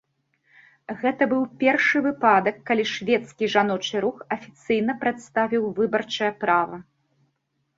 Гэта быў першы выпадак, калі шведскі жаночы рухі афіцыйна прадставіў выбарчае права.